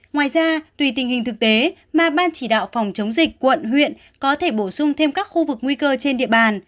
ngoài ra tùy tình hình thực tế mà ban chỉ đạo phòng chống dịch quận huyện có thể bổ sung thêm các khu vực nguy cơ trên địa bàn